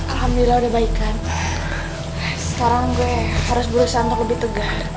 alhamdulillah udah baik kan sekarang gue harus berusaha untuk lebih tegar